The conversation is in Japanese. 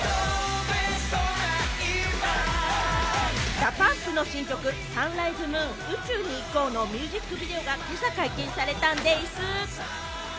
ＤＡＰＵＭＰの新曲『サンライズ・ムーン宇宙に行こう』のミュージックビデオが今朝解禁されたんでぃす！